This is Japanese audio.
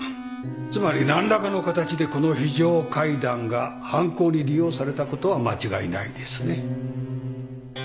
つまり何らかの形でこの非常階段が犯行に利用されたことは間違いないですね。